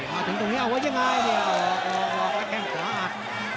มาถึงตรงนี้เอาไว้ยังไงเนี่ยออกแล้วแข้งขวาอัด